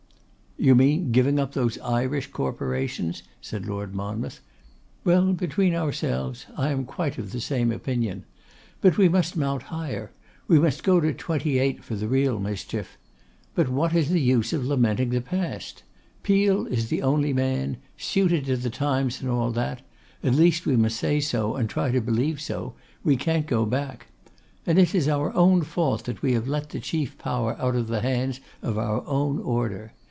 'You mean giving up those Irish corporations?' said Lord Monmouth. 'Well, between ourselves, I am quite of the same opinion. But we must mount higher; we must go to '28 for the real mischief. But what is the use of lamenting the past? Peel is the only man; suited to the times and all that; at least we must say so, and try to believe so; we can't go back. And it is our own fault that we have let the chief power out of the hands of our own order.